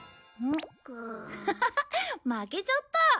ハハハ負けちゃった。